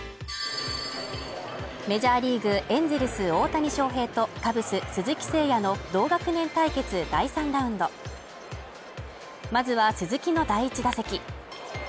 メジャーリーグ、エンゼルス大谷翔平とカブス鈴木誠也の同学年対決第３ラウンドまずは鈴木の第１打席。